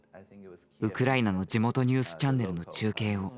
ウクライナの地元ニュースチャンネルの中継を。